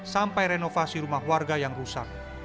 sampai renovasi rumah warga yang rusak